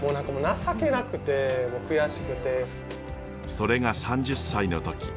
それが３０歳の時。